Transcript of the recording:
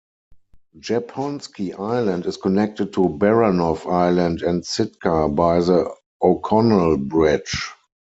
Japonski Island is connected to Baranof Island and Sitka by the O'Connell Bridge.